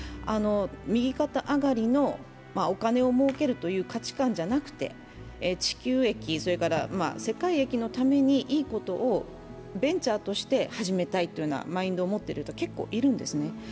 右肩上がりのお金をもうけるという価値観じゃなくて地球益、世界益のためにと、ベンチャーとして始めたいというマインドを持っている人は結構いるんですね。